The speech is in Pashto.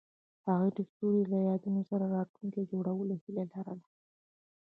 هغوی د ستوري له یادونو سره راتلونکی جوړولو هیله لرله.